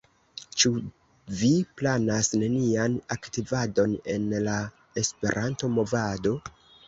Ĉu vi planas nenian aktivadon en la Esperanto-movado?